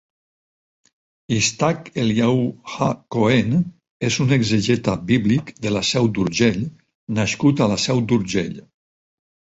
Itshak Eliahu ha-Kohén és un exègeta bíblic de la Seu d'Urgell nascut a la Seu d'Urgell.